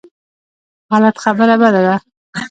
غلط خبره بده ده.